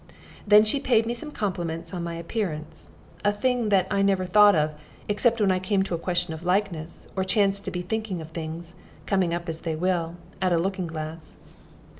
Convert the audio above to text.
Then she paid me some compliments on my appearance a thing that I never thought of, except when I came to a question of likeness, or chanced to be thinking of things, coming up as they will, at a looking glass.